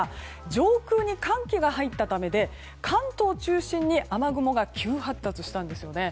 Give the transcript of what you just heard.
上空に寒気が入ったためで関東を中心に雨雲が急発達したんですよね。